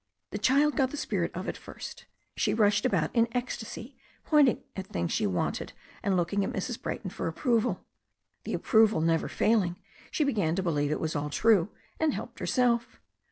The child got the spirit of it first. She rushed about in ecstasy, pointing at things she wanted, and looking at Mrs. Brajrton for approval. The approval never failing, she be gan to believe it was all true, and helped herself.